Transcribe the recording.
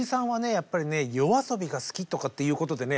やっぱりねＹＯＡＳＯＢＩが好きとかって言うことでね